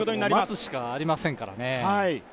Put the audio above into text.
待つしかありませんからね。